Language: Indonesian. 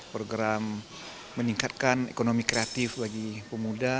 program meningkatkan ekonomi kreatif bagi pemuda